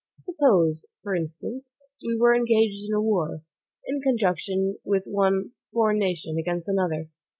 Suppose, for instance, we were engaged in a war, in conjunction with one foreign nation, against another.